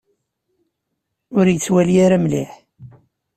Ur yettwali ara mliḥ.